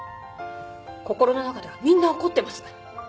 心の中ではみんな怒ってます。